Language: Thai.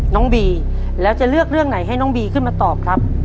น้องบีแล้วจะเลือกเรื่องไหนให้น้องบีขึ้นมาตอบครับ